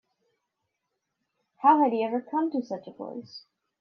How had he ever come to such a place?